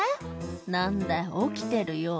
「何だよ起きてるよ」